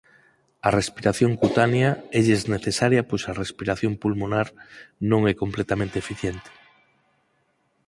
A respiración cutánea élles necesaria pois a respiración pulmonar non é completamente eficiente.